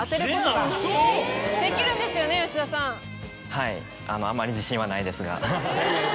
はいあまり自信はないですが。